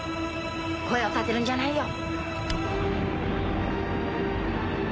声をたてるんじゃないよ。